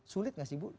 sulit gak sih bu